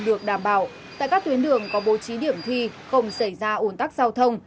được đảm bảo tại các tuyến đường có bố trí điểm thi không xảy ra ổn tắc châu thông